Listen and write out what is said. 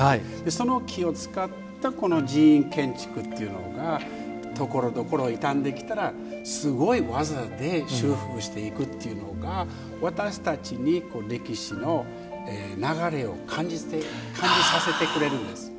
その木を使ったこの寺院建築というのがところどころ傷んできたらすごい技で修復していくというのが私たちに歴史の流れを感じさせてくれるんです。